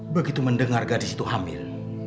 begitu mendengar gadis itu hamil